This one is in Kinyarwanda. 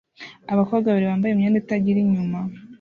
Abakobwa babiri bambaye imyenda itagira inyuma